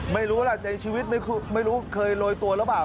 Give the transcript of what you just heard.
ไม่รู้ล่ะในชีวิตไม่รู้เคยโรยตัวหรือเปล่า